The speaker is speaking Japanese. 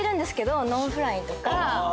ノンフライとか。